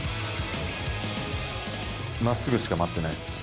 まっすぐしか待ってないです。